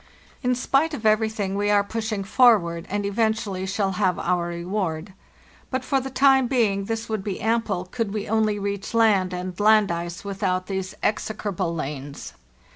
"In spite of everything, we are pushing forward, and eventually shall have our reward; but for the time being this would be ample could we only reach land and land ice without these execrable lanes.